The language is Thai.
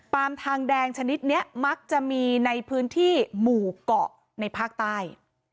ทางแดงชนิดนี้มักจะมีในพื้นที่หมู่เกาะในภาคใต้